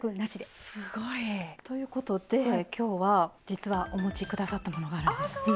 すごい！ということで今日は実はお持ち下さったものがあるんですね。